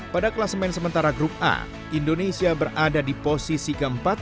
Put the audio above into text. pada kelas main sementara grup a indonesia berada di posisi keempat